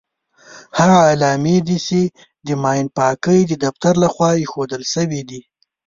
هغه علامې دي چې د ماین پاکۍ د دفتر لخوا ايښودل شوې دي.